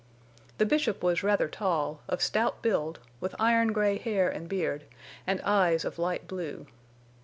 The Bishop was rather tall, of stout build, with iron gray hair and beard, and eyes of light blue.